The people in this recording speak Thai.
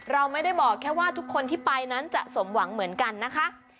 เราไม่ได้บอกแค่ว่าทุกคนที่ไปนั้นจะสมหวังเหมือนกันนะคะ